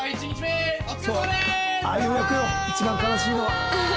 そうああいう役よ一番悲しいのは。